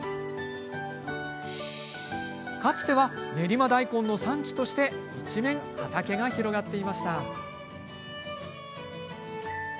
かつては練馬大根の産地として一面、畑が広がっていました。